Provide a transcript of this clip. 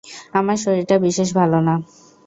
আমার শরীরটা বিশেষ ভালো না।